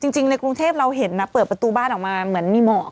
จริงในกรุงเทพเราเห็นนะเปิดประตูบ้านออกมาเหมือนมีหมอก